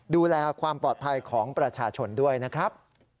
ดูแลความปลอดภัยของประชาชนด้วยนะครับ